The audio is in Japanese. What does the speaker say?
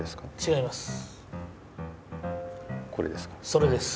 それです。